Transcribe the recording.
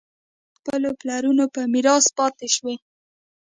دوی ته له خپلو پلرونو په میراث پاتې شوي.